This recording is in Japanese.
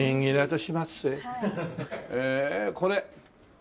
へえこれ。